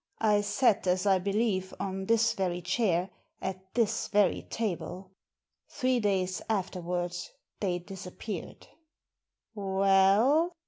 I sat, as I believe, on this very chair, at this very table. Three days afterwards they disappeared." " Well